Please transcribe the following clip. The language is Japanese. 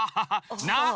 な！